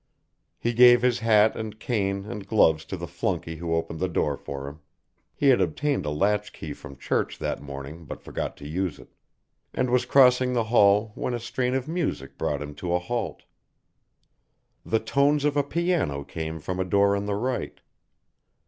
He gave his hat and cane and gloves to the flunkey who opened the door for him He had obtained a latch key from Church that morning but forgot to use it and was crossing the hall when a strain of music brought him to a halt. The tones of a piano came from a door on the right.